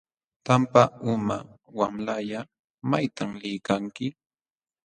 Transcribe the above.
Tampa uma wamlalla ¿maytam liykanki?